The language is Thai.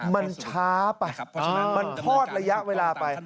มันช้าไปมันทอดระยะเวลาไป